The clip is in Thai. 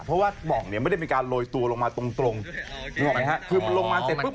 เพราะว่าปล่องเนี่ยไม่ได้มีการโหลยตัวลงมาตรงนึกออกไหมฮะ